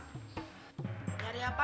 sekarang segini saja papa